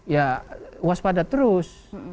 ya waspada terus